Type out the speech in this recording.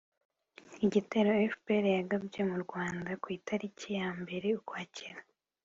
igitero fpr yagabye mu rwanda ku itariki ya mbere ukwakira